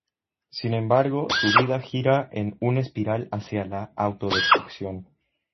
Sin embargo, su vida gira en un espiral hacia la autodestrucción.